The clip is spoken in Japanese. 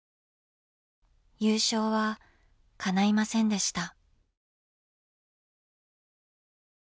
優勝はかないませんでした。